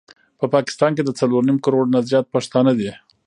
په پاکستان کي د څلور نيم کروړ نه زيات پښتانه دي